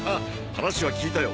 話は聞いたよ。